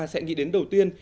sẽ nghĩ đến đầu tiên